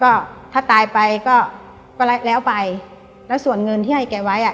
ก็ถ้าตายไปก็ก็แล้วไปแล้วส่วนเงินที่ให้แกไว้อ่ะ